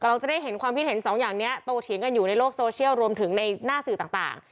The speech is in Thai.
เราจะได้เห็นความคิดเห็นสองอย่างนี้โตเถียงกันอยู่ในโลกโซเชียลรวมถึงในหน้าสื่อต่าง